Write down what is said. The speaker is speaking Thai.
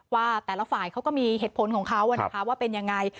ว่าแต่ละฝ่ายเขาก็มีเหตุผลของเขานะคะว่าเป็นยังไง